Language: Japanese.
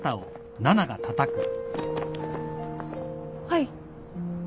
はい。